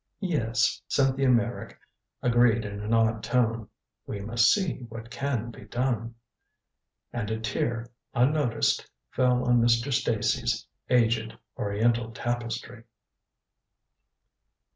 "Yes," Cynthia Meyrick agreed in an odd tone, "we must see what can be done." And a tear, unnoticed, fell on Mr. Stacy's aged oriental tapestry.